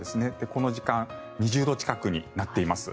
この時間２０度近くになっています。